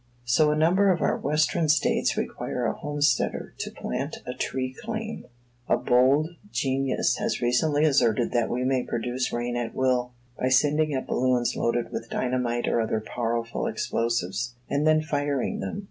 So a number of our Western States require a "homesteader" to plant a tree claim. A bold genius has recently asserted that we may produce rain at will, by sending up balloons loaded with dynamite or other powerful explosives, and then firing them.